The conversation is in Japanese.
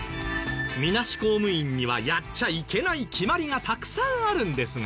みなし公務員にはやっちゃいけない決まりがたくさんあるんですが。